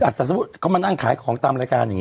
สมมุติเขามานั่งขายของตามรายการอย่างนี้